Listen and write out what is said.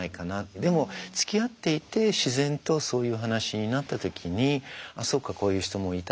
でもつきあっていて自然とそういう話になった時にあっそうかこういう人もいた。